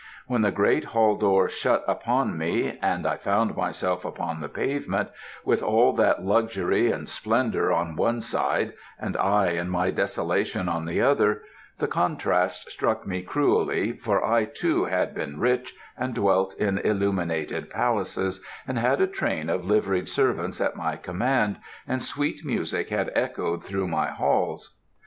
When the great hall door shut upon me, and I found myself upon the pavement, with all that luxury and splendour on one side, and I and my desolation on the other, the contrast struck me cruelly, for I too had been rich, and dwelt in illuminated palaces, and had a train of liveried servants at my command, and sweet music had echoed through my halls.